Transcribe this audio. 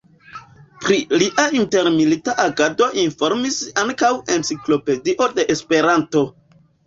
Pri lia intermilita agado informis ankaŭ Enciklopedio de Esperanto.